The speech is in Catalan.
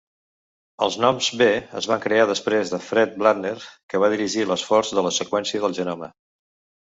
Els noms "b" es van crear després de Fred Blattner, que va dirigir l'esforç de la seqüència del genoma.